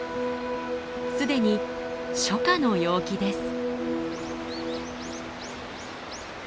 既に初夏の陽気です。